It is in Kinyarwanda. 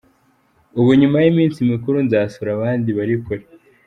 Ubu nyuma y’iminsi mikuru nzasura abandi bari kure”.